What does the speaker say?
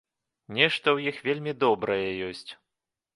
Нешта ў іх вельмі добрае ёсць.